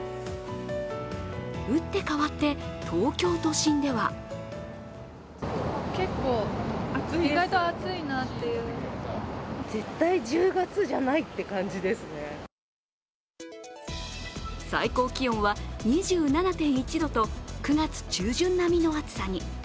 打って変わって東京都心では最高気温は２７．１度と９月中旬並みの暑さに。